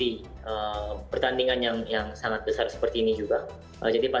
ini baik dengan mematahkan ben frazi dengan tim